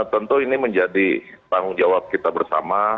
tentu ini menjadi tanggung jawab kita bersama